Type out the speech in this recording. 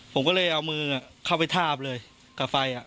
ผมก็เลยเอามือเข้าไปทาบเลยกับไฟ